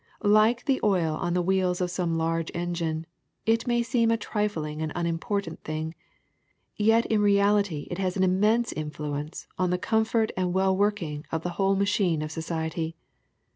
Like the oil on the wheels of some large engine, it may seem a trifling and unimportant thing, yet in reality it has an immense infljience on the comfort and well working of the whole machine of society.